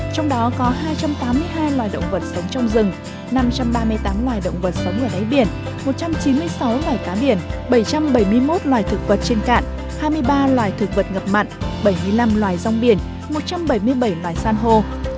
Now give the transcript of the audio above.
trong đó có hai trăm tám mươi hai loài động vật sống trong rừng năm trăm ba mươi tám loài động vật sống ở đáy biển một trăm chín mươi sáu loài cá biển bảy trăm bảy mươi một loài thực vật trên cạn hai mươi ba loài thực vật ngập mặn bảy mươi năm loài rong biển một trăm bảy mươi bảy loài san hô